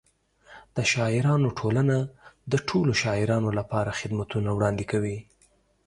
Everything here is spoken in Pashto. د شاعرانو ټولنه د ټولو شاعرانو لپاره خدمتونه وړاندې کوي.